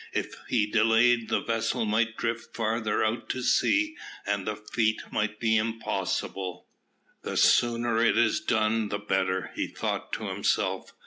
If he delayed, the vessel might drift farther out to sea, and the feat might be impossible. "The sooner it is done, the better," he thought to himself.